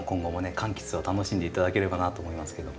柑橘を楽しんで頂ければなと思いますけども。